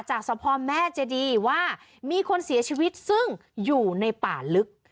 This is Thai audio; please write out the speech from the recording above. สะพอแม่เจดีว่ามีคนเสียชีวิตซึ่งอยู่ในป่าลึก